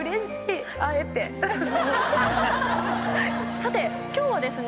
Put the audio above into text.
さて今日はですね